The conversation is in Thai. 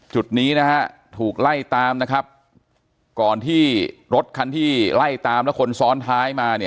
จุดนี้นะฮะถูกไล่ตามนะครับก่อนที่รถคันที่ไล่ตามแล้วคนซ้อนท้ายมาเนี่ย